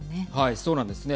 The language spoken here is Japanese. そうなんですね。